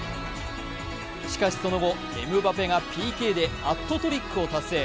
しかしその後、エムバペがＰＫでハットトリックを達成。